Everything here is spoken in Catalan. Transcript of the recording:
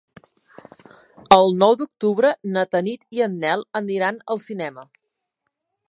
El nou d'octubre na Tanit i en Nel aniran al cinema.